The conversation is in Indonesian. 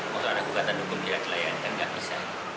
kalau ada ugatan hukum yang dilayani kan nggak bisa